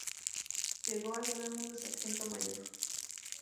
Llegó al grado de sargento mayor.